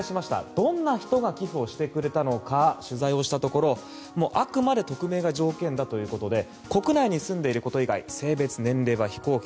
どんな人が寄付をしてくれたのか取材をしたところあくまで匿名が条件だということで国内に住んでいること以外性別、年齢は非公表。